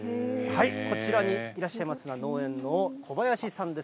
こちらにいらっしゃいますのは、農園の小林さんです。